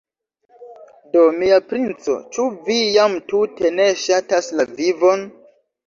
Dio mia, princo, ĉu vi jam tute ne ŝatas la vivon?